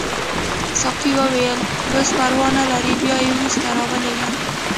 ساقي وویل اوس پروا نه لري بیا یې وروسته راولېږه.